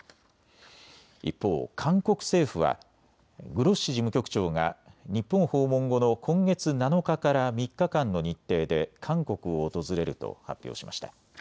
一方、韓国政府はグロッシ事務局長が日本訪問後の今月７日から３日間の日程で韓国を訪れると発表しました。